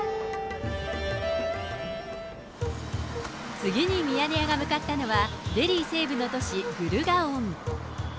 次にミヤネ屋が向かったのは、デリー西部の都市グルガオン。